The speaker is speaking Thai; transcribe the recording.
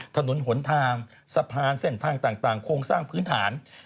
ถนนหนทางสะพานเส้นทางต่างโครงสร้างพื้นฐาน